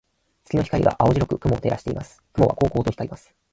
月の光が青白く雲を照らしています。雲はこうこうと光ります。